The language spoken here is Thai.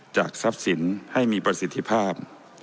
ทรัพย์สินให้มีประสิทธิภาพ